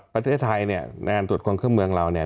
ประเทศไทยเนี่ยในการตรวจคล้องเครื่องเมืองเราเนี่ย